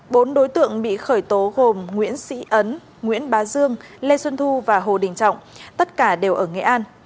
bốn đối tượng bị khởi tố gồm nguyễn sĩ ấn nguyễn bá dương lê xuân thu và hồ đình trọng tất cả đều ở nghệ an